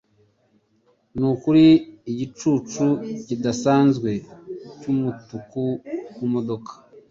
Nukuri igicucu kidasanzwe cyumutuku kumodoka.